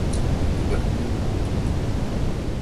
Тыгак лийын мо?